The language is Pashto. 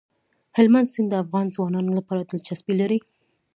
هلمند سیند د افغان ځوانانو لپاره دلچسپي لري.